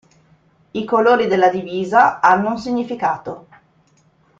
I colori della divisa hanno un significato.